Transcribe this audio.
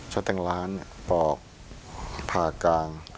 สลัดแตงร้านปลอกผ่ากลาง